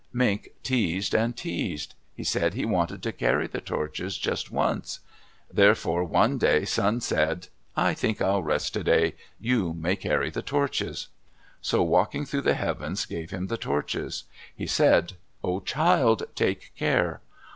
Mink teased and teased. He said he wanted to carry the torches just once. Therefore one day Sun said, "I think I'll rest today. You may carry the torches." So Walking through the Heavens gave him the torches. He said, "Oh, child, take care!